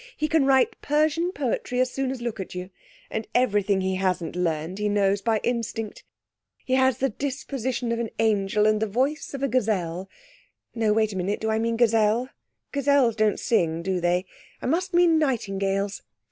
He can write Persian poetry as soon as look at you, and everything he hasn't learnt he knows by instinct. He has the disposition of an angel and the voice of a gazelle. No, wait a minute; do I mean gazelles? Gazelles don't sing, do they? I must mean nightingales.